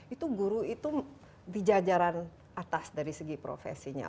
itu guru itu di jajaran atas dari segi profesinya